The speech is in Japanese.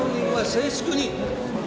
静粛に！